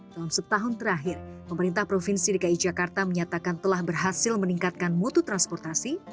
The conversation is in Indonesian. dalam setahun terakhir pemerintah provinsi dki jakarta menyatakan telah berhasil meningkatkan mutu transportasi